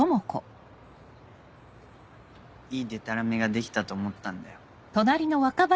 いいでたらめができたと思ったんだよ。